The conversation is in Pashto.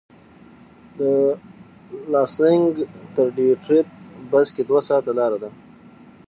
له لانسېنګ تر ډیترویت بس کې دوه ساعته لاره ده.